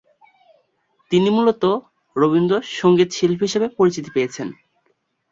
তিনি মূলতঃ রবীন্দ্র সঙ্গীত শিল্পী হিসেবে পরিচিতি পেয়েছেন।